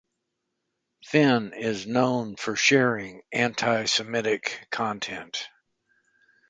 Finn is "known for sharing antisemitic content".